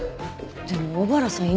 でも小原さん犬